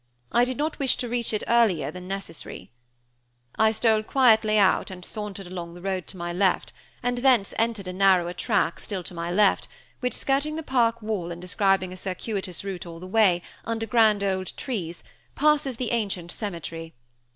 I did not wish to reach it earlier than necessary. I stole quietly out and sauntered along the road to my left, and thence entered a narrower track, still to my left, which, skirting the park wall and describing a circuitous route all the way, under grand old trees, passes the ancient cemetery.